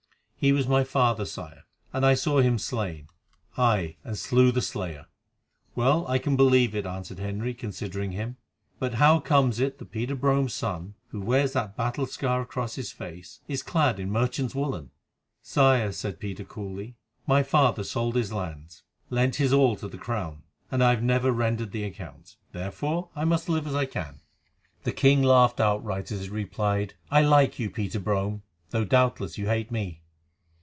"He was my father, Sire, and I saw him slain—aye, and slew the slayer." "Well can I believe it," answered Henry, considering him. "But how comes it that Peter Brome's son, who wears that battle scar across his face, is clad in merchant's woollen?" "Sire," said Peter coolly, "my father sold his lands, lent his all to the Crown, and I have never rendered the account. Therefore I must live as I can." The king laughed outright as he replied: "I like you, Peter Brome, though doubtless you hate me."